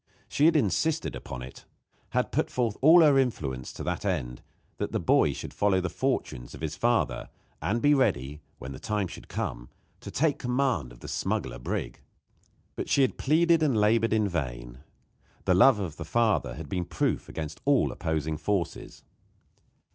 She had insisted upon it had put forth all her influence to that end that the boy should follow the fortunes of his father, and be ready, when the time should come, to take command of the smuggler brig. But she had pleaded and labored in vain. The love of the father had been proof against all opposing forces.